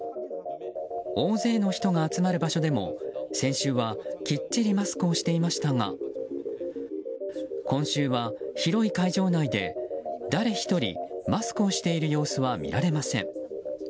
大勢の人が集まる場所でも先週はきっちりマスクをしていましたが今週は広い会場内で誰一人マスクをしている様子は見られません。